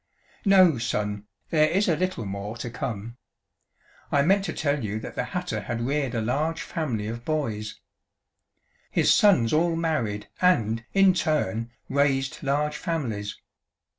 "No, Son, there is a little more to come. I meant to tell you that the hatter had reared a large family of boys. His sons all married and, in turn, raised large families.